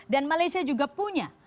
dan malaysia juga punya